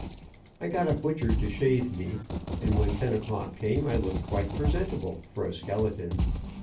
I got a butcher to shave me, and when ten o clock came I looked quite presentable for a skeleton.